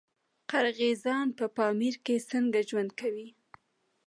قرغیزان په پامیر کې څنګه ژوند کوي؟